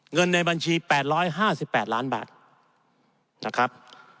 เงินในบัญชี๘๕๘ล้านบาทนะครับ